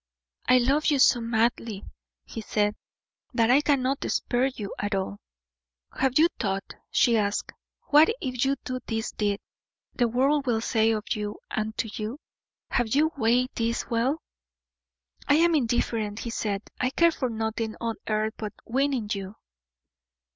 "I love you so madly," he said, "that I cannot spare you at all." "Have you thought," she asked, "what, if you do this deed, the world will say of you and to you? Have you weighed this well?" "I am indifferent," he said; "I care for nothing on earth but winning you."